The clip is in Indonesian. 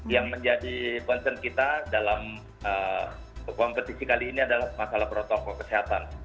yang menjadi concern kita dalam kompetisi kali ini adalah masalah protokol kesehatan